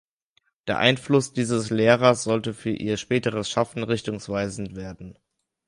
Der Einfluss dieses Lehrers sollte für ihr späteres Schaffen richtungsweisend werden.